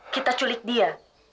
kita culik dia